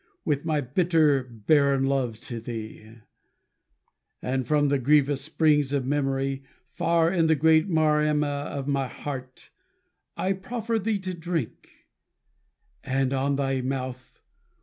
With this my bitter, barren love to thee; And from the grievous springs of memory. Far in the great Maremma of my heart, I proffer thee to drink; and on thy mouth.